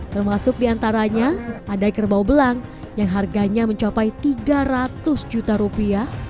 termasuk diantaranya ada kerbau belang yang harganya mencapai tiga ratus juta rupiah